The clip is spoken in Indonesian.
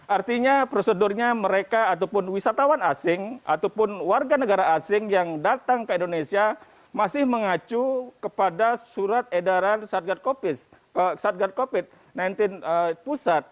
artinya prosedurnya mereka ataupun wisatawan asing ataupun warga negara asing yang datang ke indonesia masih mengacu kepada surat edaran satgas covid sembilan belas pusat